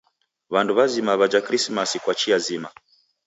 W'andu w'azima w'aja Krismasi kwa chia zima.